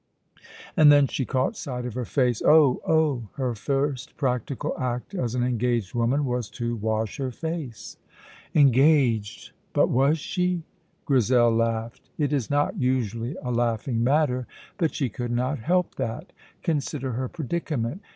And then she caught sight of her face oh, oh! Her first practical act as an engaged woman was to wash her face. Engaged! But was she? Grizel laughed. It is not usually a laughing matter, but she could not help that. Consider her predicament.